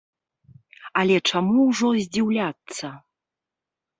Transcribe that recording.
Але чаму ўжо здзіўляцца?